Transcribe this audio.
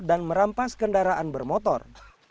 dan merampas kendaraan bermotor